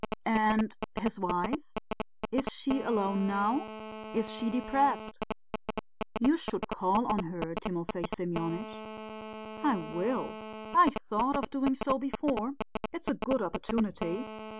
"And his wife ... is she alone now? Is she depressed?" "You should call on her, Timofey Semyonitch." "I will. I thought of doing so before; it's a good opportunity....